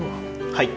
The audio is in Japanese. はい。